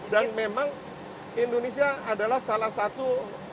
dan memang indonesia adalah salah satu